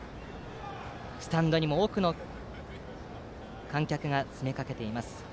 スタンドにも多くの観客が詰め掛けています。